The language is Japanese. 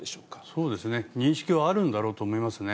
そうですね、認識はあるんだろうと思いますね。